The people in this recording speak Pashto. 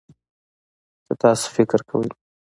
چې تاسو فکر کوئ